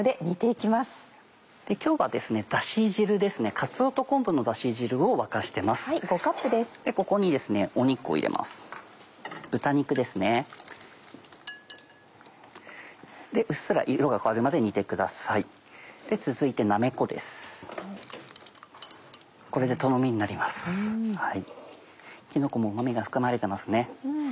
きのこもうま味が含まれてますね。